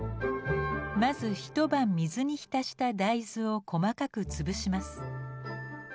まず一晩水に浸した大豆を細かく潰します。